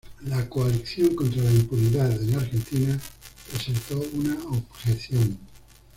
La Coalición contra la Impunidad en Argentina presentó una objeción.